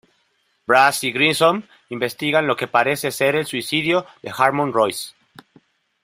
Brass y Grissom investigan lo que parece ser el suicidio de Harmon Royce.